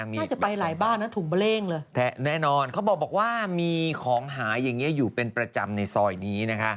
น่าจะไปหลายบ้านนะถุงเบล่งเลยแน่นอนเขาบอกว่ามีของหาอย่างนี้อยู่เป็นประจำในซอยนี้นะคะ